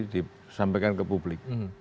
disampaikan ke publik